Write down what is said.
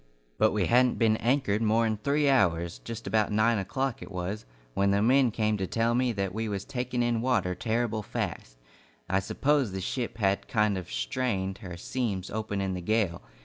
But we hadn't been anchored more 'n three hours just about nine o'clock it was when the men came to tell me that we was taking in water terrible fast. I suppose the ship had kind of strained her seams open in the gale.